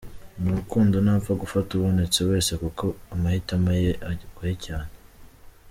Mu rukundo ntapfa gufata ubonetse wese kuko amahitamo ye agoye cyane.